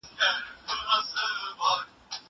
زه به سبا مېوې راټولې کړم!!